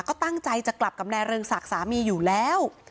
ก็ตั้งใจจะกลับกับนายเรืองศักดิ์สามีอยู่แล้ว